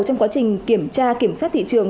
trong quá trình kiểm tra kiểm soát thị trường